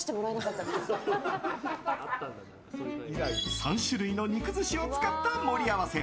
３種類の肉寿司を使った盛り合わせ。